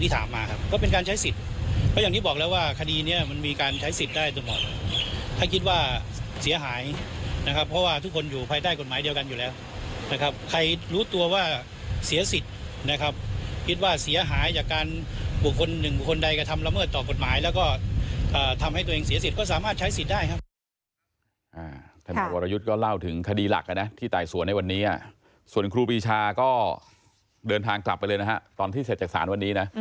ที่ถามมาครับก็เป็นการใช้สิทธิ์เพราะอย่างที่บอกแล้วว่าคดีเนี้ยมันมีการใช้สิทธิ์ได้ตัวหมดถ้าคิดว่าเสียหายนะครับเพราะว่าทุกคนอยู่ภายใต้กฎหมายเดียวกันอยู่แล้วนะครับใครรู้ตัวว่าเสียสิทธิ์นะครับคิดว่าเสียหายจากการบุคคลหนึ่งบุคคลใดกระทำละเมิดต่อกฎหมายแล้วก็อ่าทำให้ตัวเองเสียส